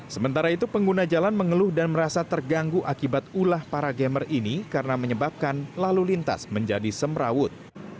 sementara itu pengguna jalan mengeluh dan merasa terganggu akibat ulah para gamer ini karena menyebabkan lalu lintas menjadi semrawut